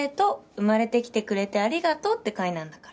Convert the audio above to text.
「生まれてきてくれてありがとう」って会なんだから。